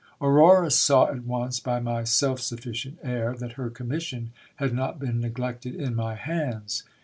Aurora saw at once, by my self sufficient air, that her commission had not been neglected in my hands.